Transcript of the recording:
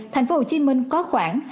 thành phố hồ chí minh có khoảng